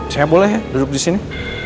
saya boleh ya duduk disini